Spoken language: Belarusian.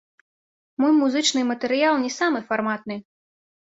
Мой музычны матэрыял не самы фарматны.